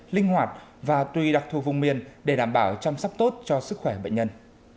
linh hoạt và tùy đặc thù vùng miền để đảm bảo chăm sóc tốt cho sức khỏe bệnh nhân